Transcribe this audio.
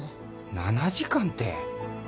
７時間って。